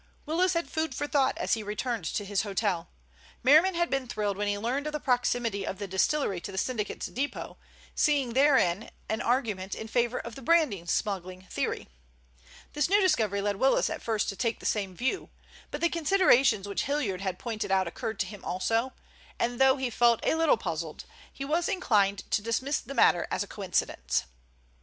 Willis had food for thought as he returned to his hotel. Merriman had been thrilled when he learned of the proximity of the distillery to the syndicate's depot, seeing therein an argument in favor of the brandy smuggling theory. This new discovery led Willis at first to take the same view, but the considerations which Hilliard had pointed out occurred to him also, and though he felt a little puzzled, he was inclined to dismiss the matter as a coincidence.